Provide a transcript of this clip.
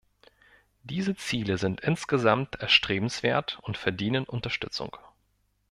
Diese Ziele sind insgesamt erstrebenswert und verdienen Unterstützung.